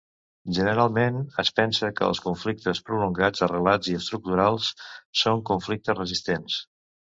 Generalment es pensa que els conflictes prolongats, arrelats i estructurals són conflictes resistents.